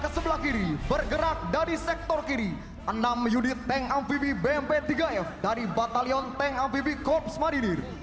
sebelah kiri bergerak dari sektor kiri enam unit tank amphibie bmp tiga f dari batalion tank amphibie korps marinir